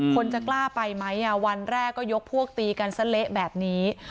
คนจะกล้าไปไหมวันแรกก็ยกพวกตีกันซะเละแบบนี้